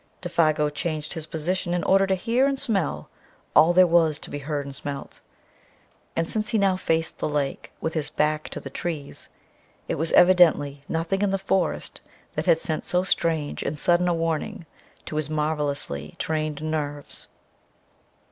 Défago changed his position in order to hear and smell all there was to be heard and smelt. And, since he now faced the lake with his back to the trees it was evidently nothing in the forest that had sent so strange and sudden a warning to his marvelously trained nerves.